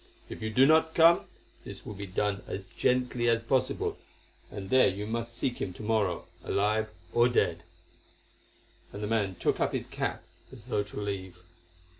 If you do not come, this will be done as gently as possible, and there you must seek him to morrow, alive or dead." And the man took up his cap as though to leave.